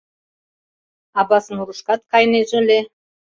Абаснурышкат кайынеже ыле.